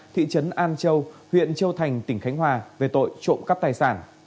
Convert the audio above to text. thị trấn an châu huyện châu thành tỉnh khánh hòa về tội trộm cắp tài sản